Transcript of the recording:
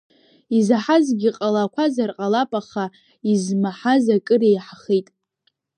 Изаҳазгьы ҟалақәазар ҟалап, аха измаҳаз акыр еиҳахеит.